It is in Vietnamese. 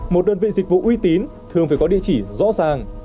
một đơn vị dịch vụ uy tín thường phải có địa chỉ rõ ràng